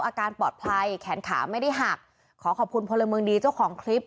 อาการปลอดภัยแขนขาไม่ได้หักขอขอบคุณพลเมืองดีเจ้าของคลิป